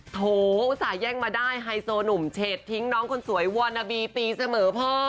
โถอุตส่าหแย่งมาได้ไฮโซหนุ่มเฉดทิ้งน้องคนสวยวอนนาบีตีเสมอพ่อ